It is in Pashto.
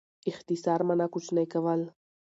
اختصار مانا؛ کوچنی کول.